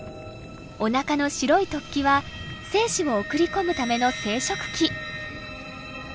おなかの白い突起は精子を送り込むための生殖器。